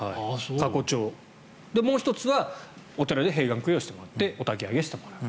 過去帳、もう１つはお寺で閉眼供養してもらっておたき上げしてもらう。